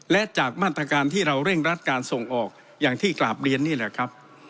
และจากมาตรการที่เราเร่งรัดการส่งออกอย่างที่กราบเรียนนี่แหละครับ